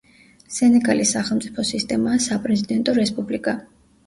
სენეგალის სახელმწიფო სისტემაა საპრეზიდენტო რესპუბლიკა.